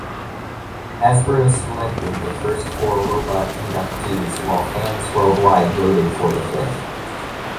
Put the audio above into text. Hasbro selected the first four robot inductees, while fans worldwide voted for the fifth.